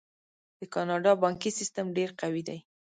د کاناډا بانکي سیستم ډیر قوي دی.